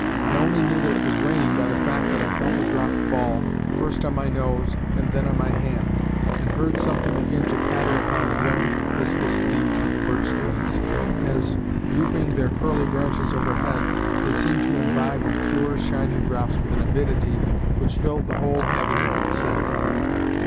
I only knew that it was raining by the fact that I felt a drop fall, first on my nose, and then on my hand, and heard something begin to patter upon the young, viscous leaves of the birch trees as, drooping their curly branches overhead, they seemed to imbibe the pure, shining drops with an avidity which filled the whole avenue with scent.